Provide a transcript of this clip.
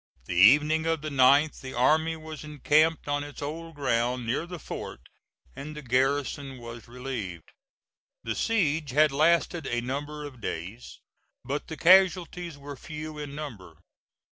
The evening of the 9th the army was encamped on its old ground near the Fort, and the garrison was relieved. The siege had lasted a number of days, but the casualties were few in number.